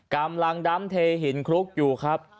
กำลังดำเทหินคลุกอยู่ครับ